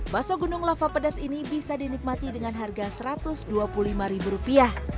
baso gunung lava pedas ini bisa dinikmati dengan harga satu ratus dua puluh lima ribu rupiah